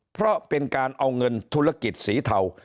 เพราะเป็นการเอาเงินธุรกิจสีเทา